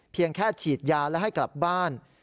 เพียงแค่ฉีดยาและให้กลับบ้าน